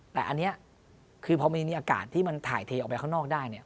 แต่อันนี้คือพอมีอากาศที่มันถ่ายเทออกไปข้างนอกได้เนี่ย